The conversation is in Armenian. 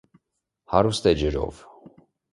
Հարուստ է ջրով։